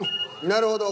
なるほど。